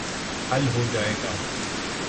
حل ہو جائے گا۔